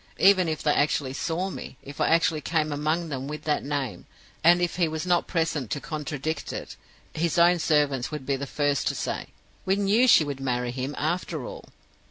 Even if they actually saw me if I actually came among them with that name, and if he was not present to contradict it his own servants would be the first to say, 'We knew she would marry him, after all!